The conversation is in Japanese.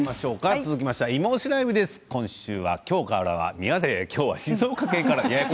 続きましては「いまオシ！ＬＩＶＥ」です。今週は今日からは静岡県からです。